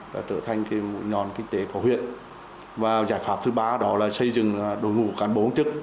và trở thành mũi nhòn kinh tế của huyện và giải pháp thứ ba đó là xây dựng đội ngũ cản bố chức